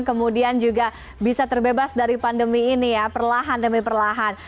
kemudian juga bisa terbebas dari pandemi ini ya perlahan demi perlahan